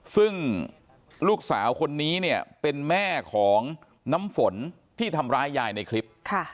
ซึ่งลูกสาวคนนี้เนี่ยเป็นแม่ของน้ำฝนที่ทำร้ายยายในคลิป